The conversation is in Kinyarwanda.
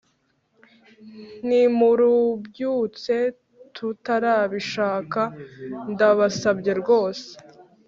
ntimurubyutse rutarabishaka ndabasabye rwose